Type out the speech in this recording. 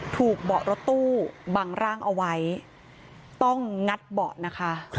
เบาะรถตู้บังร่างเอาไว้ต้องงัดเบาะนะคะ